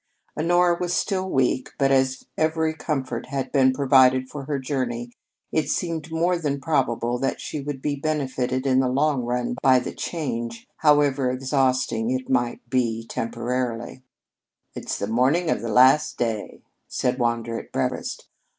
Honora was still weak, but as every comfort had been provided for her journey, it seemed more than probable that she would be benefited in the long run by the change, however exhausting it might be temporarily. "It's the morning of the last day," said Wander at breakfast.